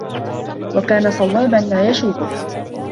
وَكَانَ صَوَابًا لَا يَشُوبُهُ